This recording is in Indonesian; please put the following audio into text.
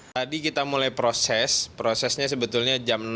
tadi kita mulai proses prosesnya sebetulnya jam enam